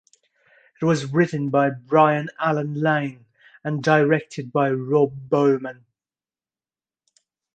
It was written by Brian Alan Lane and directed by Rob Bowman.